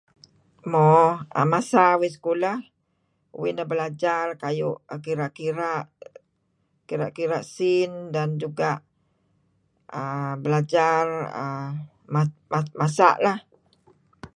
Mo masa uih sekolah uih neh belajar kayu' kira' kira', kira' kira' sin dan juga' uhm belajar uhm masak lah.